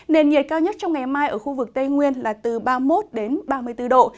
nền nhiệt cao nhất trong ngày mai ở khu vực tây nguyên là từ ba mươi một đến ba mươi bốn độ